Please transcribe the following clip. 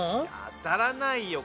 当たらないよ